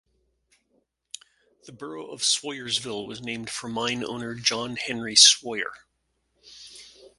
The borough of Swoyersville was named for mine owner John Henry Swoyer.